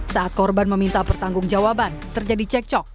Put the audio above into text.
saat korban meminta pertanggung jawaban terjadi cekcok